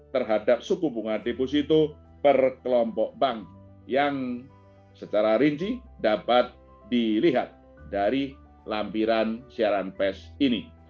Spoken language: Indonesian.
terhadap suku bunga deposito per kelompok bank yang secara rinci dapat dilihat dari lampiran siaran pes ini